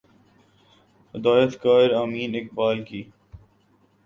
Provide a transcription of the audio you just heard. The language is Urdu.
ہدایت کار امین اقبال کی